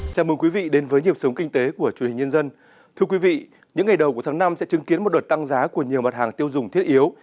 thưa quý vị những ngày đầu của tháng năm sẽ chứng kiến một đợt tăng giá của nhiều mặt hàng tiêu dùng thiết yếu